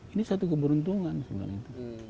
ini satu keberuntungan sebenarnya